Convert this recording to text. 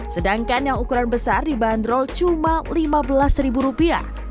sedangkan yang ukuran besar dibanderol cuma lima belas ribu rupiah